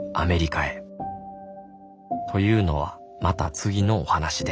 というのはまた次のお話で